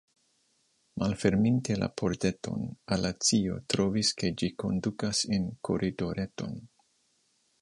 Malferminte la pordeton, Alicio trovis ke ĝi kondukas en koridoreton.